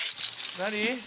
何？